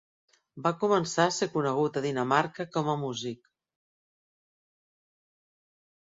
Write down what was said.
Va començar a ser conegut a Dinamarca com a músic.